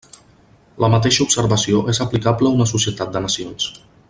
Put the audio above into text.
La mateixa observació és aplicable a una societat de nacions.